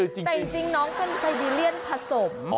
แต่จริงน้องเป็นไซบีเรียนผสม